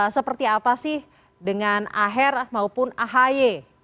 seperti apa sih dengan aher maupun ahy